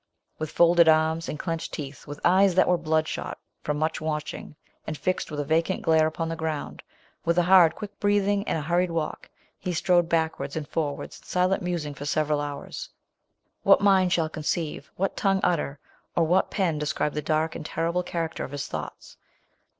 With folded arms, and clench ed teeth, with eyes that were blood shot from much watching, and fixed with a vacant glare upon the ground, with a hard quick breathing, and a hurried walk, he strode backwards and forwards in silent musing for several hours. What mind shallcon* ceive, what tongue utter, or what pen describe the dark and terrible cha racter of his thoughts